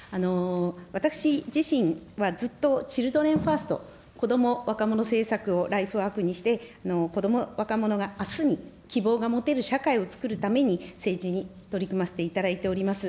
私自身はずっとチルドレンファースト、子ども・若者政策をライフワークにして、子ども・若者があすに希望が持てる社会を作るために、政治に取り組ませていただいております。